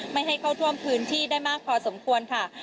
ไม่ให้เข้าท่วมพื้นที่ได้มากพอสมควรค่ะ